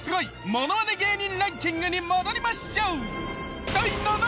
ものまね芸人ランキングに戻りましょう。